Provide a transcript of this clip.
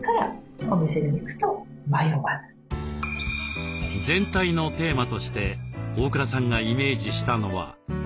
全体のテーマとして大倉さんがイメージしたのは。